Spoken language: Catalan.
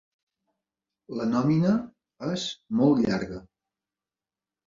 La nòmina és molt llarga.